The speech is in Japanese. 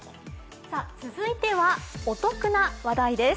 続いてはお得な話題です。